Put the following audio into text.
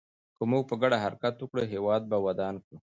که موږ په ګډه حرکت وکړو، هېواد به ودان کړو.